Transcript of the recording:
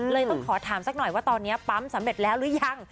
ต้องขอถามสักหน่อยว่าตอนนี้ปั๊มสำเร็จแล้วหรือยัง